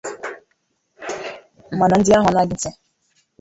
mana ndị ahụ añaghị ntị